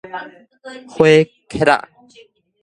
火戛仔